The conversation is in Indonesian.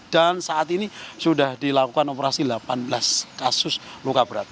dan saat ini sudah dilakukan operasi delapan belas kasus luka berat